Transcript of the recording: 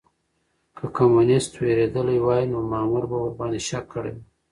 که کمونيسټ وېرېدلی وای نو مامور به ورباندې شک کړی وای.